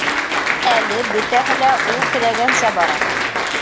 Әле бөтәһе лә ул теләгәнсә бара!